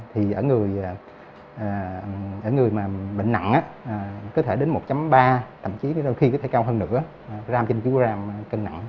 thì ở người mà bệnh nặng có thể đến một ba thậm chí có thể cao hơn nữa gram trên chứa gram cân nặng